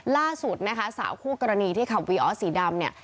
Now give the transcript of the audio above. ล่าสุดนะคะสาวคู่กรณีที่ขับวีออสสีดำเนี่ย